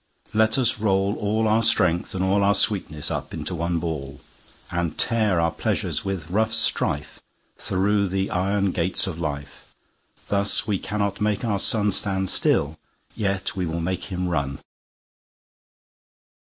Let us roll all our Strength, and allOur sweetness, up into one Ball:And tear our Pleasures with rough strife, Thorough the Iron gates of Life.Thus, though we cannot make our SunStand still, yet we will make him run.